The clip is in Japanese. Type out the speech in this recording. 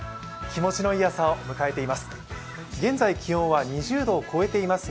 気持ちのいい朝を迎えています。